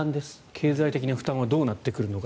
経済的な負担はどうなってくるのか。